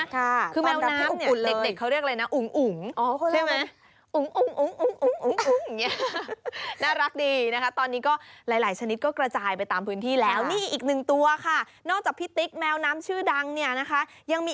ค่ะคือแมวน้ำเนี่ยเด็กเขาเรียกอะไรนะอุ๋ง